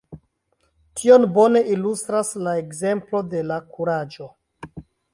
Tion bone ilustras la ekzemplo de la kuraĝo.